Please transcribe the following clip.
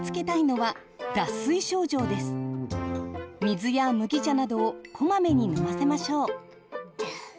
水や麦茶などをこまめに飲ませましょう。